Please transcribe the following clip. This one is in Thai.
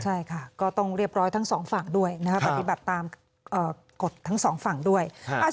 ใช่ค่ะก็ต้องเรียบร้อยทั้งสองฝั่งด้วยนะครับปฏิบัติตามกฎทั้งสองฝั่งด้วย